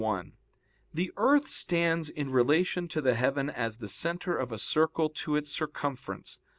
1: The earth stands in relation to the heaven as the centre of a circle to its circumference.